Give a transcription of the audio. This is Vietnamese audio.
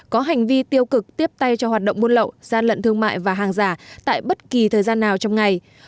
có hành vi tiêu cực tiếp tay cho hoạt động buôn lậu gian lận thương mại và hàng giả tại bất kỳ thời gian nào trong ngày